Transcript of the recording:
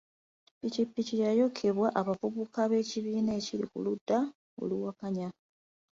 Ppikipiki yayokyebwa abavubuka b'ekibiina ekiri ku ludda oluwakanya.